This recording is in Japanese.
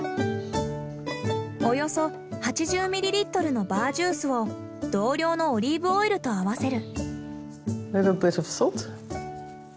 およそ８０ミリリットルのバージュースを同量のオリーブオイルと合わせる。